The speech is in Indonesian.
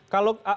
kalau pak taufik